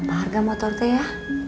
berapa harga motornya ya